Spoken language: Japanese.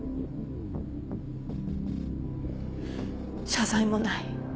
謝罪もない。